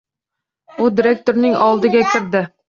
U direktorning oldiga kirdi.